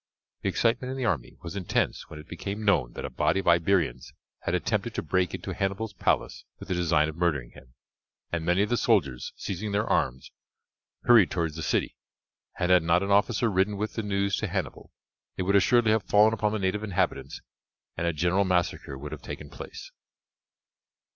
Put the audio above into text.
The excitement in the army was intense when it became known that a body of Iberians had attempted to break into Hannibal's palace with the design of murdering him, and many of the soldiers, seizing their arms, hurried towards the city, and had not an officer ridden with the news to Hannibal, they would assuredly have fallen upon the native inhabitants, and a general massacre would have taken place.